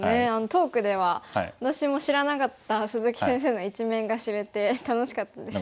トークでは私も知らなかった鈴木先生の一面が知れて楽しかったです。